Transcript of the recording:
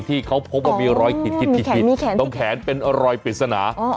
ที่เขาพบว่ามีรอยขีดตรงแขนเป็นรอยปริศนา